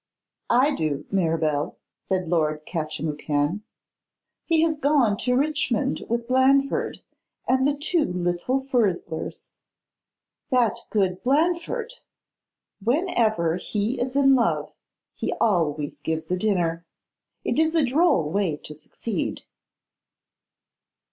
'I do, Mirabel,' said Lord Catchimwhocan. 'He has gone to Richmond with Blandford and the two little Furzlers.' 'That good Blandford! Whenever he is in love he always gives a dinner. It is a droll way to succeed.